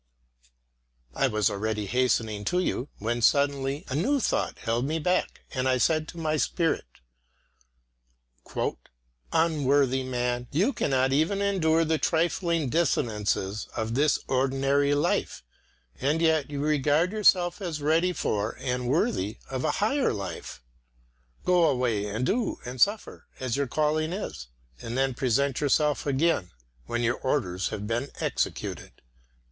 I was already hastening to you, when suddenly a new thought held me back and I said to my spirit: "Unworthy man, you cannot even endure the trifling dissonances of this ordinary life, and yet you regard yourself as ready for and worthy of a higher life? Go away and do and suffer as your calling is, and then present yourself again when your orders have been executed."